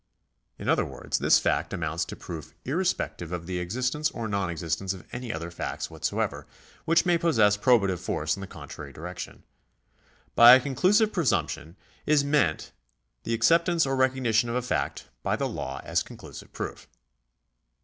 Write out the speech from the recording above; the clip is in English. In other words, this fact amounts to proof irrespective of the existence or non existence of any other facts whatsoever whch may possess probative force in the contrary direction. By a conclusive presump tion is meant the acceptance or recognition of a fact by the law as conclusive proof.